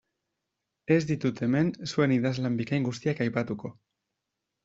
Ez ditut hemen zuen idazlan bikain guztiak aipatuko.